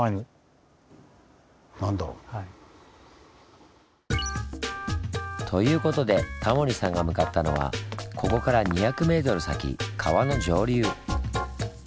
何だろう？ということでタモリさんが向かったのはここから２００ｍ先川の上流。